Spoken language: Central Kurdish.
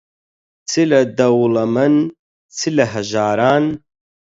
چ لە دەوڵەمەن، چ لە هەژاران